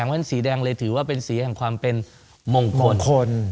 เพราะฉะนั้นสีแดงเลยถือว่าเป็นสีแห่งความเป็นมงคล